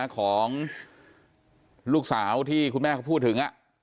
ของลูกสาวที่คุณแม่เขาพูดถึง